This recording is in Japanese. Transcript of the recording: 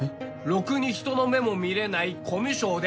「ろくに人の目も見れないコミュ障で」